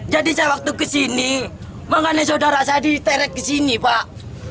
jadi saya waktu kesini banggannya saudara saya diteret kesini pak